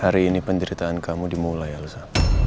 hari ini penderitaan kamu dimulai elsa